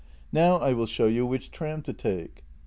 " Now I will show you which tram to take."